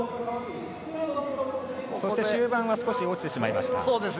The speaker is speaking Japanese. そして、終盤は少し落ちてしまいました。